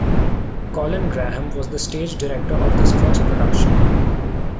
Colin Graham was the stage director of this first production.